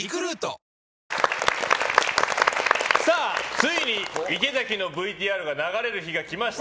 ついに池崎のＶＴＲが流れる日がきました。